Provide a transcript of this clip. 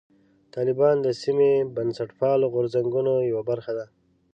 طالبان د سیمې بنسټپالو غورځنګونو یوه برخه ده.